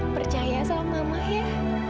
percaya sama mama ya